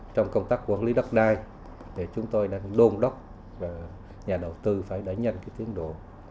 trong công tác quản lý đất đai chúng tôi đang đôn đốc và nhà đầu tư phải đẩy nhanh cái tiến độ